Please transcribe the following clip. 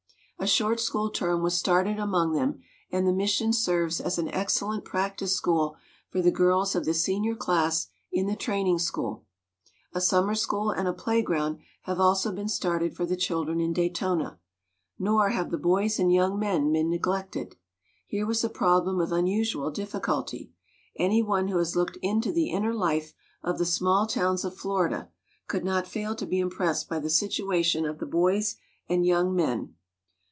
A short school term was started among them, and the mission serves as an excellent practice school for the girls of the senior class in the Training School. A summer school and a playground have also been started for the children in Day tona. Nor have the boys and young men been neglected. Here was a problem of unusual difficulty. Any one who has looked into the inner life of the small towns of MART McLEOD BETHUNE 79 Florida could not fail to be impressed by the situation of the boys and young men.